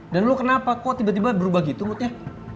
dan lo kenapa kok tiba tiba berubah gitu moodnya